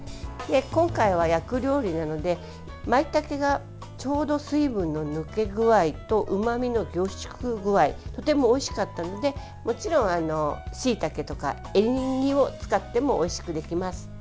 今回は焼く料理なのでまいたけがちょうど水分の抜け具合とうまみの凝縮具合とてもおいしかったのでもちろん、しいたけとかエリンギを使ってもおいしくできます。